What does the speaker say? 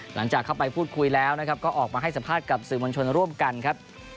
หลังจากเข้าไปพูดคุยแล้วนะครับก็ออกมาให้สัมภาษณ์กับสื่อมวลชนร่วมกันครับ